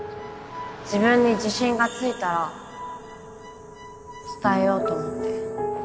自分に自信がついたら伝えようと思って